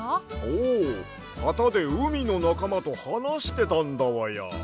おうはたでうみのなかまとはなしてたんだわや。